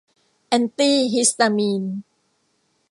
แอนตี้ฮิสตามีน